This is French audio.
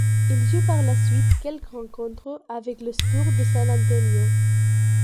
Il joue par la suite quelques rencontres avec les Spurs de San Antonio.